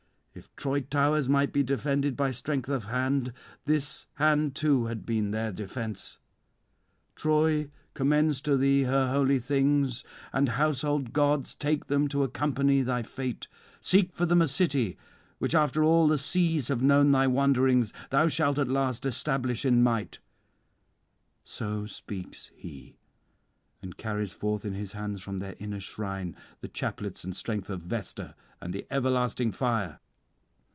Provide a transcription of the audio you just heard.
If Troy towers might be defended by strength of hand, this hand too had been their defence. Troy commends to thee her holy things and household gods; take them to accompany thy fate; seek for them a city, which, after all the seas have known thy wanderings, thou shalt at last establish in [296 327]might." So speaks he, and carries forth in his hands from their inner shrine the chaplets and strength of Vesta, and the everlasting fire.